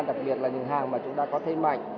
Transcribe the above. đặc biệt là những hàng mà chúng ta có thêm mạnh